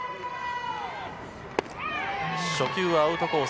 初球はアウトコース